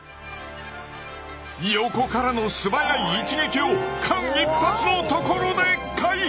横からのすばやい一撃を間一髪のところで回避！